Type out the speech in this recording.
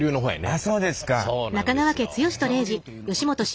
あそうですか。